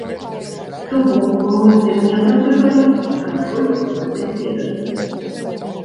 То бок мы мыслім не пра прыгажосць, а прыгажосць у гэтай кветачцы.